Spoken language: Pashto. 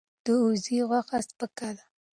د وزې غوښه سپکه ده.